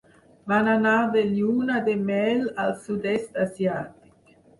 Van anar de lluna de mel al sud-est asiàtic.